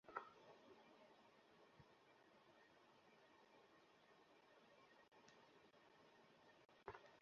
আমিও ছুঁয়ে দেখিনি!